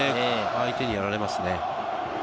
相手にやられますね。